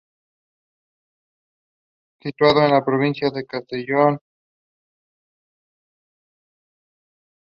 Situado en la provincia de Castellón y en la comarca del Alto Palancia.